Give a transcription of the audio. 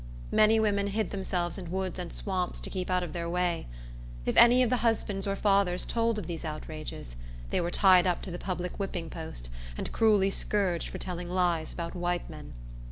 Many women hid themselves in woods and swamps, to keep out of their way. If any of the husbands or fathers told of these outrages, they were tied up to the public whipping post, and cruelly scourged for telling lies about white men.